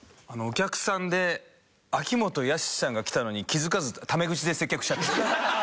お客さんで秋元康さんが来たのに気づかずタメ口で接客しちゃった。